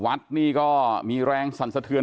วัดนี่ก็มีแรงสั่นสะเทือน